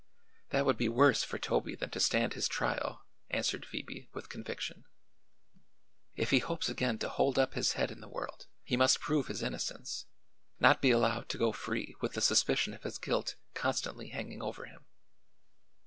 "That would be worse for Toby than to stand his trial," answered Phoebe, with conviction. "If he hopes again to hold up his head in the world he must prove his innocence not be allowed to go free with the suspicion of his guilt constantly hanging over him."